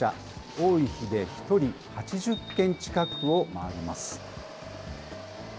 多い日で１人８０軒近くを回ります。